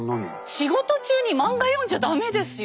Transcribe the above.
仕事中に漫画読んじゃ駄目ですよ。